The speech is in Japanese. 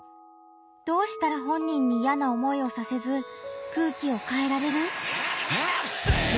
どうしたら本人にいやな思いをさせず空気を変えられる？